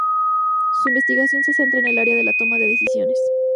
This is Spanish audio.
Su investigación se centra en el área de la toma de decisiones.